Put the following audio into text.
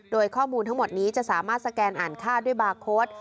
โดยข้อมูลทั้งหมดนี้จะสามารถสแกนอ่านค่าด้วยบาร์โค้ด